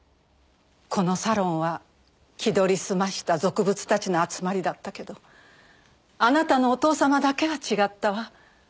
このサロンは気取り澄ました俗物たちの集まりだったけどあなたのお父様だけは違ったわ。